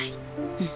うん。